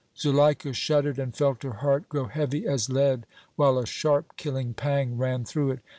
Zuleika shuddered and felt her heart grow heavy as lead, while a sharp, killing pang ran through it.